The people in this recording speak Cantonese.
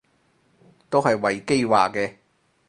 都係維基話嘅